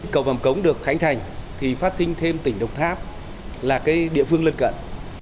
cầu vằm cống được khánh thành thì phát sinh thêm tỉnh đồng tháp là cái địa phương lân cận